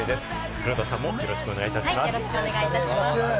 黒田さんもよろしくお願いいたします。